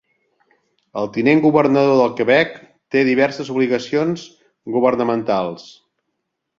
El tinent governador de Quebec té diverses obligacions governamentals.